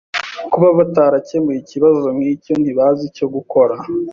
Kuba batarakemuye ikibazo nkicyo, ntibazi icyo gukora.